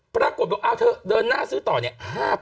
ปรากฏบอกเอาเธอเดินหน้าซื้อต่อเนี่ย